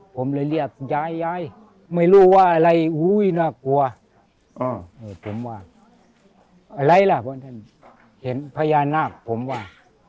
ผมเลยเรียกยายยายไม่รู้ว่าอะไรอุ้ยน่ากลัวผมว่าอะไรล่ะพวกท่านเห็นพญานาคผมว่า